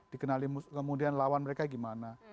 dikenali kemudian lawan mereka gimana